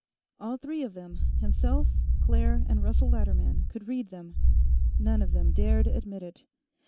All three of them himself, Claire, and Russell Latterman could read them. None of them dared admit it.